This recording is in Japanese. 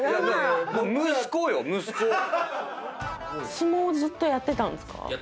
相撲をずっとやってたんですか？